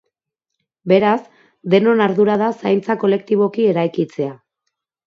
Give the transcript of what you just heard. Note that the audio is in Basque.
Beraz, denon ardura da zaintza kolektiboki eraikitzea.